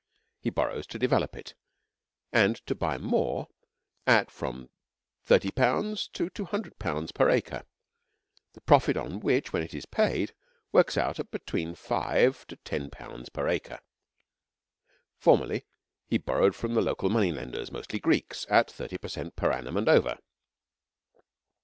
He borrows to develop it and to buy more at from £30 to £200 per acre, the profit on which, when all is paid, works out at between £5 to £10 per acre. Formerly, he borrowed from the local money lenders, mostly Greeks, at 30 per cent per annum and over.